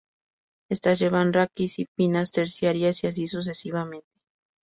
Estas llevan raquis y pinnas terciarias y así sucesivamente.